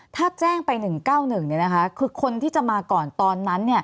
ถ้าแจ้งไป๑๙๑คือคนที่จะมาก่อนตอนนั้น